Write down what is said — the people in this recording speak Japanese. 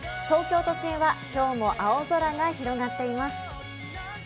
東京都心は今日も青空が広がっています。